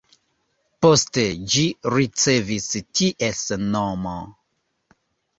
Poste ĝi ricevis ties nomo.